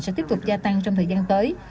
sẽ tiếp tục gia tăng trong thời gian tới